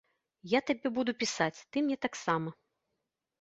Я табе буду пісаць, ты мне таксама.